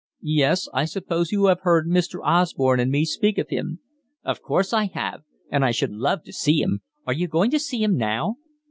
"Yes. I suppose you have heard Mr. Osborne and me speak of him." "Of course I have, and I should love to see him. Are you going to see him now?"